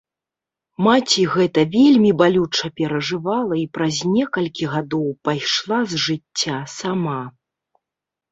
Маці гэта вельмі балюча перажывала і праз некалькі гадоў пайшла з жыцця сама.